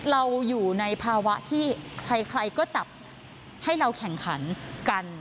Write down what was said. เราอยู่ในภาวะที่ใครก็จับให้เราแข่งขันกัน